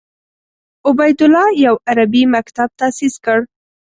عبیدالله یو عربي مکتب تاسیس کړ.